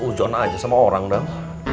kamu harus ujon aja sama orang dong